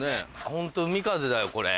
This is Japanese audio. ホント海風だよこれ。